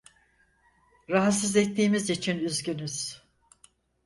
Rahatsız ettiğimiz için üzgünüz.